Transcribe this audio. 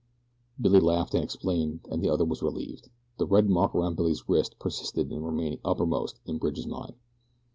Billy laughed and explained, and the other was relieved the red mark around Billy's wrist persisted in remaining uppermost in Bridge's mind.